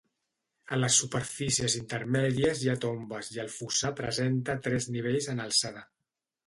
A les superfícies intermèdies hi ha tombes i el fossar presenta tres nivells en alçada.